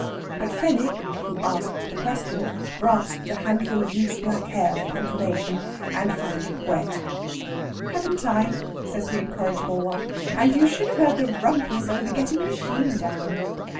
But Fenwick, who asked the question, grasped a handful of loose black hair for confirmation, and found it wet. "Haven't I?" says the incorrigible one. "And you should have heard the rumpus over getting a machine down."